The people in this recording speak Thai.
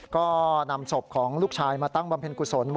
ก็นำศพของลูกชายมาตั้งบำเพ็ญกุศล